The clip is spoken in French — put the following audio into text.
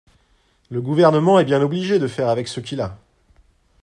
Le Gouvernement est bien obligé de faire avec ce qu’il a.